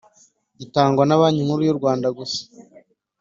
gitangwa na Banki Nkuru yurwanda gusa